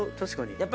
確かに。